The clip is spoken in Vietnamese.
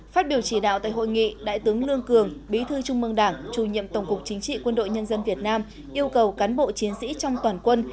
phát biểu chỉ đạo tại hội nghị đại tướng lương cường bí thư trung mương đảng chủ nhiệm tổng cục chính trị quân đội nhân dân việt nam yêu cầu cán bộ chiến sĩ trong toàn quân